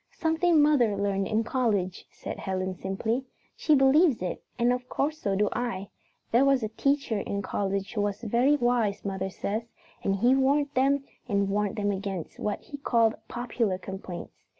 "Something mother learned in college," said Helen simply. "She believes it, and of course so do I. There was a teacher in college who was very wise, mother says, and he warned them and warned them against what he called popular complaints.